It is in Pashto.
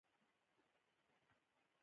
ایا زه باید د غاښونو تار وکاروم؟